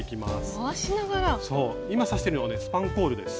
そう今刺してるのがスパンコールです。